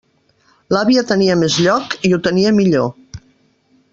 L'àvia tenia més lloc i ho tenia millor.